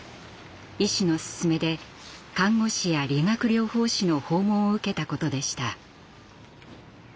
医師の勧めで看護師や理学療法士の訪問を受けたことでした。